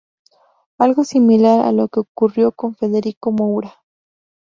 Algo similar a lo que ocurrió con Federico Moura.